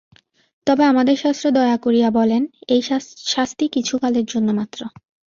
তবে আমাদের শাস্ত্র দয়া করিয়া বলেন, এই শাস্তি কিছুকালের জন্য মাত্র।